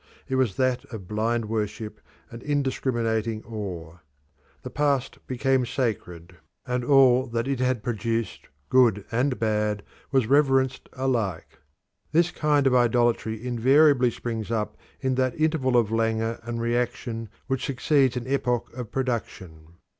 It was that of blind worship and indiscriminating awe. The past became sacred, and all that it had produced, good and bad, was reverenced alike. This kind of idolatry invariably springs up in that interval of languor and reaction which succeeds an epoch of production.